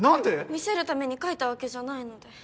見せるために描いたわけじゃないので。